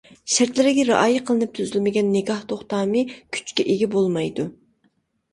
شەرتلىرىگە رىئايە قىلىنىپ تۈزۈلمىگەن نىكاھ توختامى كۈچكە ئىگە بولمايدۇ.